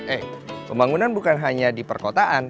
eh pembangunan bukan hanya di perkotaan